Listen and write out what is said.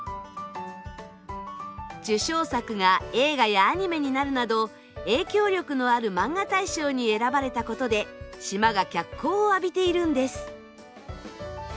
受賞作が映画やアニメになるなど影響力のあるマンガ大賞に選ばれたことで島が脚光を浴びているんです。